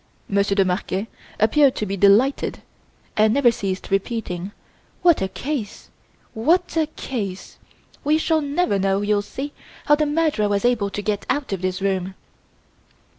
Monsieur de Marquet appeared to be delighted and never ceased repeating: "What a case! What a case! We shall never know, you'll see, how the murderer was able to get out of this room!"